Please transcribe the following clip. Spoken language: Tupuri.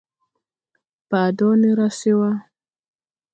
Baa do ne ra se wa.